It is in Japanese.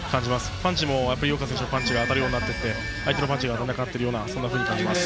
パンチも井岡選手のパンチが当たるようになってきて相手のパンチが届かないような、そんな雰囲気があります。